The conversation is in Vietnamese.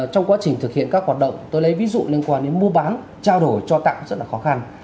cho tặng rất là khó khăn